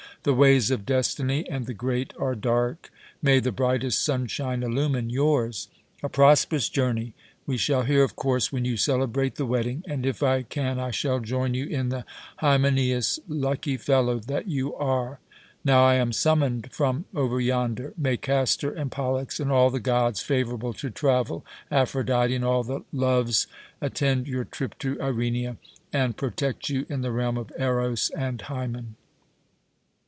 The ways of destiny and the great are dark; may the brightest sunshine illumine yours! A prosperous journey! We shall hear, of course, when you celebrate the wedding, and if I can I shall join you in the Hymenæus. Lucky fellow that you are! Now I'm summoned from over yonder! May Castor and Pollux, and all the gods favourable to travel, Aphrodite, and all the Loves attend your trip to Irenia, and protect you in the realm of Eros and Hymen!"